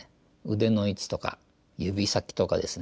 腕の位置とか指先とかですね